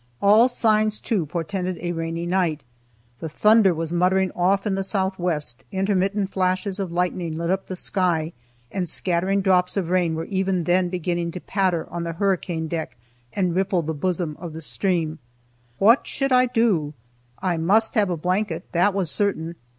All signs, too, portended a rainy night. The thunder was muttering off in the southwest, intermittent flashes of lightning lit up the sky, and scattering drops of rain were even then beginning to patter on the hurricane deck and ripple the bosom of the stream. What should I do? I must have a blanket, that was certain.